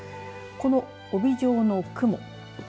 この帯状の雲。